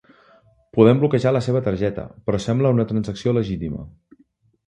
Podem bloquejar la seva targeta, però sembla una transacció legitima.